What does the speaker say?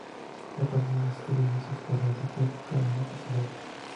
La pandilla de Scooby-Doo se separó hace tiempo, cada uno por su lado.